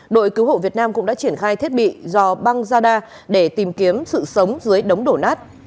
đội cứu hộ việt nam cũng đã triển khai thiết bị giò băng radar để tìm kiếm sự sống dưới đống đổ nát